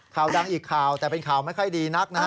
ข่าวดังอีกข่าวแต่เป็นข่าวไม่ค่อยดีนักนะฮะ